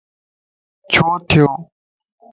ڇو ٿيو؟